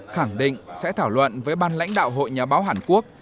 khẳng định sẽ thảo luận với ban lãnh đạo hội nhà báo hàn quốc